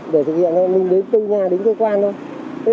để thực hiện thôi mình đến từng nhà đến cơ quan thôi